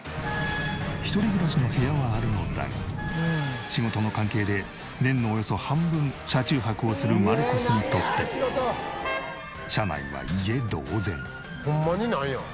一人暮らしの部屋はあるのだが仕事の関係で年のおよそ半分車中泊をするマルコスにとって。ホンマになんや？